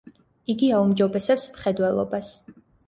იგი აუმჯობესებს მხედველობას.